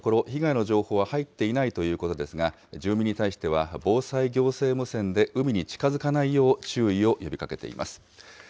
これまでのところ、被害の情報は入っていないということですが、住民に対しては、防災行政無線で海に近づかないよう注意を呼びかけています。